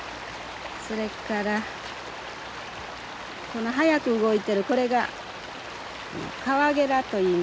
それからこの速く動いてるこれがカワゲラといいます。